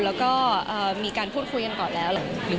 แล้วก็มีการพูดคุยกันก่อนแล้ว